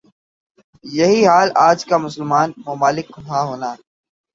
یہی حال آج کا مسلمان ممالک کا ہونا